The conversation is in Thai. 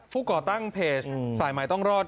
ฝูกอตั้งสายหมายต้องรอด